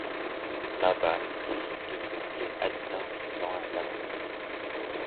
Là-bas, ils décident de ce qu'il adviendra du plan à élaborer.